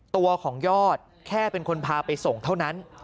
ตัวของยอดแค่เป็นคนพาไปส่งเท่านั้น